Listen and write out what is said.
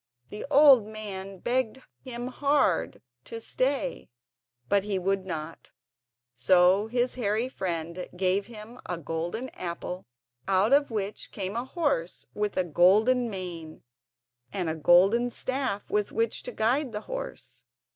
The old man begged him hard to stay, but he would not, so his hairy friend gave him a golden apple out of which came a horse with a golden mane, and a golden staff with which to guide the horse.